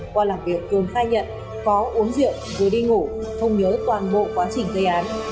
qua làm việc cường khai nhận có uống rượu rồi đi ngủ không nhớ toàn bộ quá trình gây án